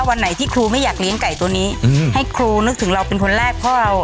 วันไหนที่ครูไม่อยากเลี้ยงไก่ตัวนี้ให้ครูนึกถึงเราเป็นคนแรกพ่อเรา